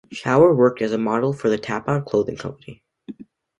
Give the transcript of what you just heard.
Shower worked as a model for the Tapout clothing company.